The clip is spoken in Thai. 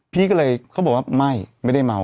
พี่ก็เลยเขาบอกว่าไม่ไม่ได้เมา